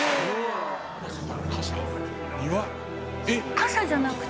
傘じゃなくて？